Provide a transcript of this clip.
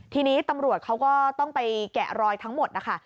ทีนี้ตำรวจเขาก็ต้องไปแกะรอยทั้งหมดนะคะ